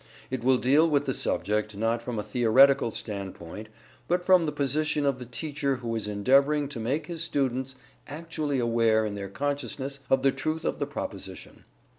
It will deal with the subject, not from a theoretical standpoint, but from the position of the teacher who is endeavoring to make his students actually aware in their consciousness of the truth of the proposition.